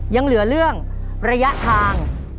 ยังเหลือเรื่องระยะทาง